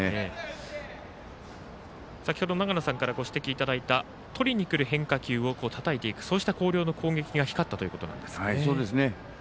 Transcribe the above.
先ほど、長野さんからご指摘いただいたとりにくる変化球をたたくそうした広陵の攻撃が光ったということなんですね。